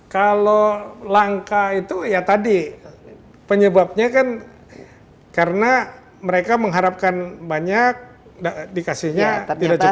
kalau langka itu ya tadi penyebabnya kan karena mereka mengharapkan banyak dikasihnya tidak cukup